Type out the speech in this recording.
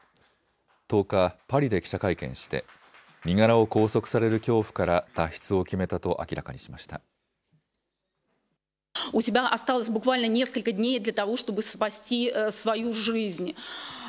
１０日、パリで記者会見して身柄を拘束される恐怖から脱出を決めたと明らかにしました。